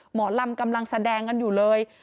หมอลำกำลังแสดงกันอยู่เลย